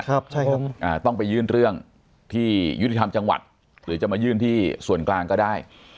ครับใช่ครับอ่าต้องไปยื่นเรื่องที่ยุติธรรมจังหวัดหรือจะมายื่นที่ส่วนกลางก็ได้